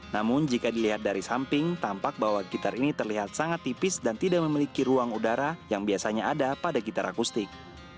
namun jika dilihat dari samping tampak bahwa gitar ini terlihat sangat tipis dan tidak memiliki ruang udara yang biasanya ada pada gitar akustik